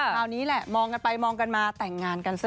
คราวนี้แหละมองกันไปมองกันมาแต่งงานกันซะ